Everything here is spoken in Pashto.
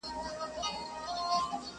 له خپل یار سره روان سو دوکاندار ته!.